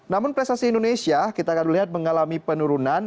namun prestasi indonesia kita akan melihat mengalami penurunan